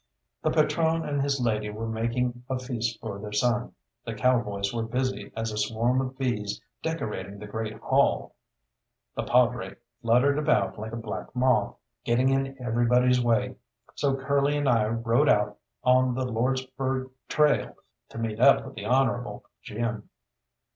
The patrone and his lady were making a feast for their son; the cowboys were busy as a swarm of bees decorating the great hall; the padre fluttered about like a black moth, getting in everybody's way; so Curly and I rode out on the Lordsburgh trail to meet up with the Honourable Jim.